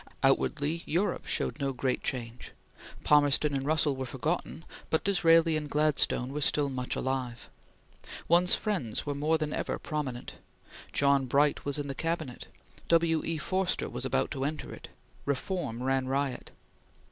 Outwardly Europe showed no great change. Palmerston and Russell were forgotten; but Disraeli and Gladstone were still much alive. One's friends were more than ever prominent. John Bright was in the Cabinet; W. E. Forster was about to enter it; reform ran riot.